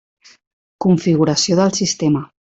Configuració del sistema.